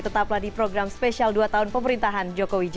tetaplah di program spesial dua tahun pemerintahan jokowi jk